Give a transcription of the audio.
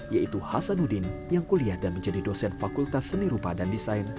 yaitu hasanuddin yang kuliah dan menjadi dosen fakultas seni rupa dan desain